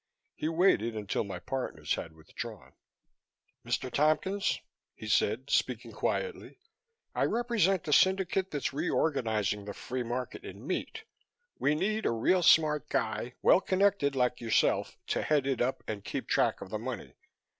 He waited until my partners had withdrawn. "Mr. Tompkins," he said, speaking quietly, "I represent a syndicate that's reorganizing the free market in meat. We need a real smart guy, well connected, like yourself, to head it up and keep track of the money.